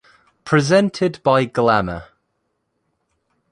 Presented by Glamour.